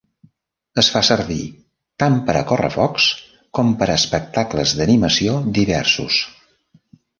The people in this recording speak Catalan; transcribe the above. Es fa servir tant per a correfocs com per a espectacles d'animació diversos.